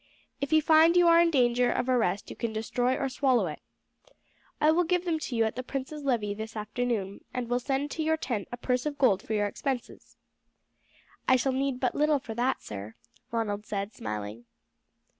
If you find you are in danger of arrest you can destroy or swallow it. I will give them to you at the prince's levee this afternoon, and will send to your tent a purse of gold for your expenses." "I shall need but little for that, sir," Ronald said smiling.